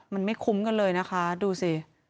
มันไม่คุ้มกันเลยนะคะดูสิ